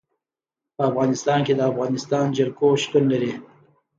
په افغانستان کې د افغانستان جلکو شتون لري.